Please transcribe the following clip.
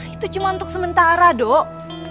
itu cuma untuk sementara dok